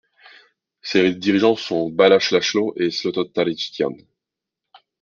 Ses dirigeants sont Balázs László et Zsolt Tyirityán.